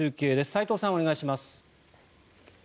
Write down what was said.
齋藤さん、お願いします。